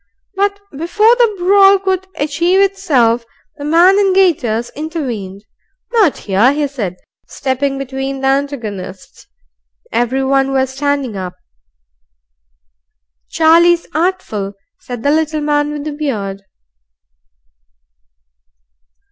But before the brawl could achieve itself, the man in gaiters intervened. "Not here," he said, stepping between the antagonists. Everyone was standing up. "Charlie's artful," said the little man with the beard.